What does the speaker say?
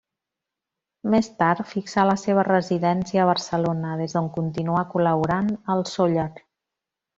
Més tard fixà la seva residència a Barcelona, des d'on continuà col·laborant al Sóller.